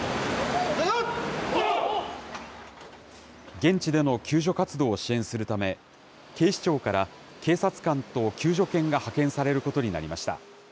現地での救助活動を支援するため、警視庁から警察官と救助犬が派遣されることになりました。